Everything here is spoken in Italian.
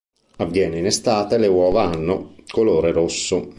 Avviene in estate, le uova hanno colore rosso.